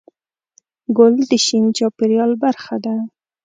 ګل د شین چاپېریال برخه ده.